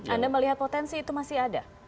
anda melihat potensi itu masih ada